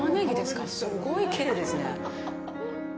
すごいきれいですね。